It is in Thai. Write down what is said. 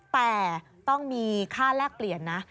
แต่ต้องมีค่าแลกเปลี่ยนนะ